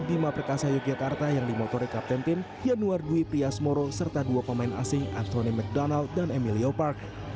bima perkasa yogyakarta yang dimotori kapten tim yanuar dwi prias moro serta dua pemain asing anthony mcdonald dan emilio park